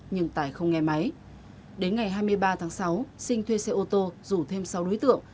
nhưng tài không nghe máy đến ngày hai mươi ba tháng sáu sinh thuê xe ô tô rủ thêm sáu đối tượng